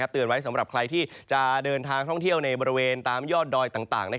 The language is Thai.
เตือนไว้สำหรับใครที่จะเดินทางท่องเที่ยวในบริเวณตามยอดดอยต่าง